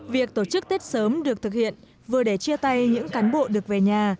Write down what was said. việc tổ chức tết sớm được thực hiện vừa để chia tay những cán bộ được về nhà